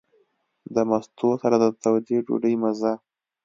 د مستو سره د تودې ډوډۍ مزه.